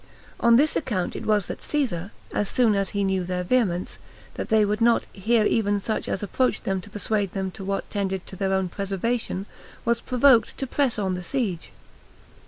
On this account it was that Caesar, as soon as he knew their vehemence, that they would not hear even such as approached them to persuade them to what tended to their own preservation, was provoked to press on the siege.